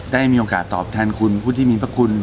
ได้มีโอกาสตอบแทนคุณผู้ที่มีพระคุณ